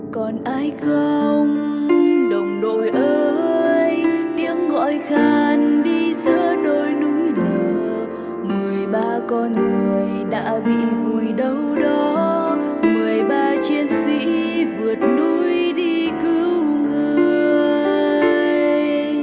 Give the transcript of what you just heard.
còn ai không đồng đội ơi tiếng gọi khan đi giữa đôi núi lửa một mươi ba con người đã bị vùi đau đó một mươi ba chiến sĩ vượt núi đi cứu người